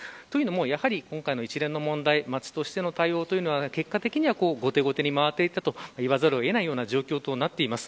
やはり今回の一連の問題町としての対応は結果的には後手後手に回っていったと言わざるを得ない状況となっています。